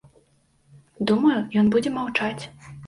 Думаю, ён будзе маўчаць.